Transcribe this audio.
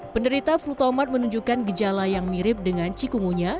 penderita flutomer menunjukkan gejala yang mirip dengan cikungunya